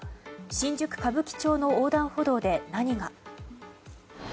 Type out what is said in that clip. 新宿・歌舞伎町の横断歩道で何が。